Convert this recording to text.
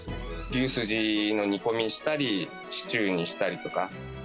牛スジの煮込みしたり、シチューにしたりとか。